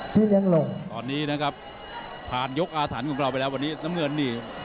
ตอนนี้นะครับผ่านยกอาสันของเราไปแล้ววันนี้น้ำเงินนี่